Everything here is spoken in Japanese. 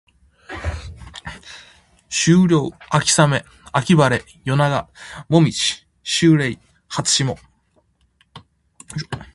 秋涼秋雨秋晴夜長紅葉秋麗初霜